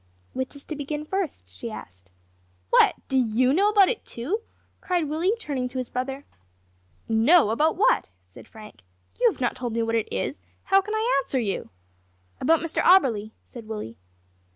"Which is to begin first?" she asked. "What! do you know about it, too?" cried Willie, turning to his brother. "Know about what?" said Frank. "You have not told me what it is; how can I answer you?" "About Mr Auberly," said Willie.